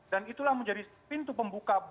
dan itulah menjadi pintu pembuka